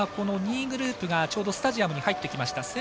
２位グループがスタジアムに入ってきました。